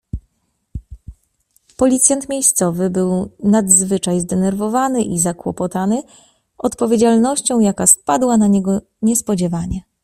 "Policjant miejscowy był nadzwyczaj zdenerwowany i zakłopotany odpowiedzialnością, jaka spadła na niego niespodziewanie."